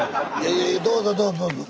いやいやどうぞどうぞどうぞ。